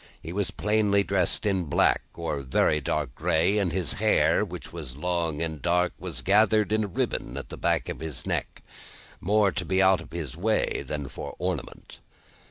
He was plainly dressed in black, or very dark grey, and his hair, which was long and dark, was gathered in a ribbon at the back of his neck; more to be out of his way than for ornament.